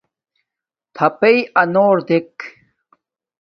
تھپݵئ انݸر دݵک.